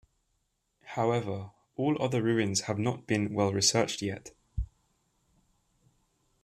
However, all other ruins have not been well researched yet.